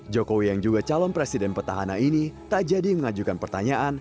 jokowi yang juga calon presiden petahana ini tak jadi mengajukan pertanyaan